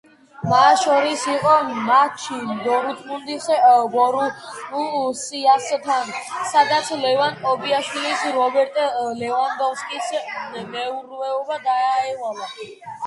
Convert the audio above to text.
მათ შორის იყო მატჩი დორტმუნდის „ბორუსიასთან“, სადაც ლევან კობიაშვილს რობერტ ლევანდოვსკის მეურვეობა დაევალა.